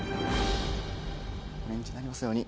オレンジになりますように。